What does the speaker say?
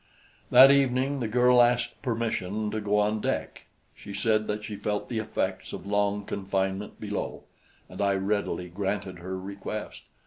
That evening the girl asked permission to go on deck. She said that she felt the effects of long confinement below, and I readily granted her request.